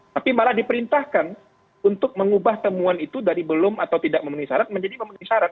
tapi malah diperintahkan untuk mengubah temuan itu dari belum atau tidak memenuhi syarat menjadi memenuhi syarat